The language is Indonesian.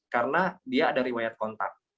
karena dia ada riwayat kontak